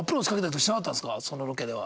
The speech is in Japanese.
そのロケでは。